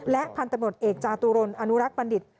พันธุ์ตำรวจเอกจาตุรนอนุรักษ์บัณฑิต